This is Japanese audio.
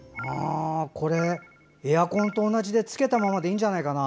エアコンと同じでつけたままでいいんじゃないかな。